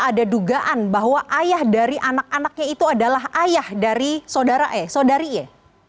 ada dugaan bahwa ayah dari anak anaknya itu adalah ayah dari saudara e saudari e